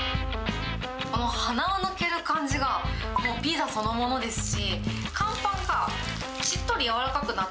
鼻を抜ける感じが、もうピザそのものですし。